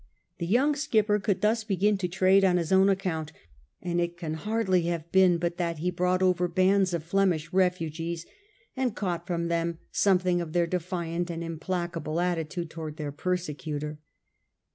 The young skipper could thus begin to trade on his own account; and it can hardly have been but that he brought over bands of Flemish refugees, and caught from them something of their defiant and implacable attitude towards their persecutor.